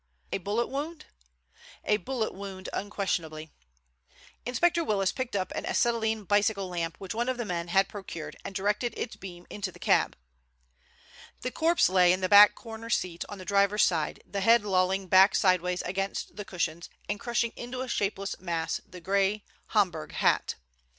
"A bullet wound?" "A bullet wound unquestionably." Inspector Willis picked up an acetylene bicycle lamp which one of the men had procured and directed its beam into the cab. The corpse lay in the back corner seat on the driver's side, the head lolling back sideways against the cushions and crushing into a shapeless mass the gray Homburg hat.